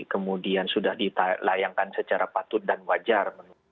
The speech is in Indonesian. kemudian sudah ditayangkan secara patut dan wajar